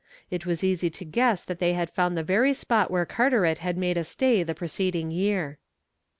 It was easy to guess that they had found the very spot where Carteret had made a stay the preceding year.